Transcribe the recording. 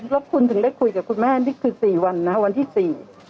แล้วคุณถึงได้คุยกับคุณแม่นี่คือสี่วันนะคะวันที่สี่